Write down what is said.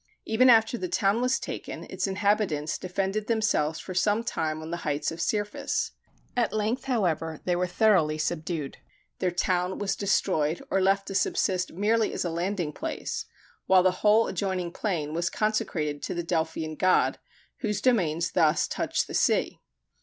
Even after the town was taken, its inhabitants defended themselves for some time on the heights of Cirphis. At length, however, they were thoroughly subdued. Their town was destroyed or left to subsist merely us a landing place; while the whole adjoining plain was consecrated to the Delphian god, whose domains thus touched the sea.